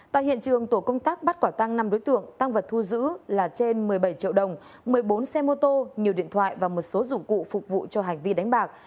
tại hiện trường tổ công tác bắt quả tăng năm đối tượng tăng vật thu giữ là trên một mươi bảy triệu đồng một mươi bốn xe mô tô nhiều điện thoại và một số dụng cụ phục vụ cho hành vi đánh bạc